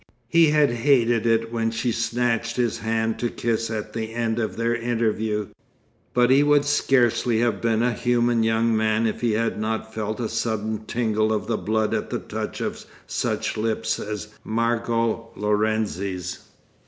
He had hated it when she snatched his hand to kiss at the end of their interview; but he would scarcely have been a human young man if he had not felt a sudden tingle of the blood at the touch of such lips as Margot Lorenzi's.